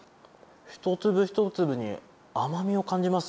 １粒１粒に甘みを感じます。